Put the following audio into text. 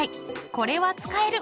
これは使える！